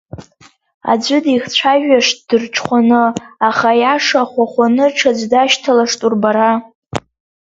Аӡәы дихцәажәашт дырҽхәаны, аха аиаша хәахәаны ҽаӡә дашьҭалашт урбара…